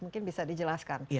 mungkin bisa dijelaskan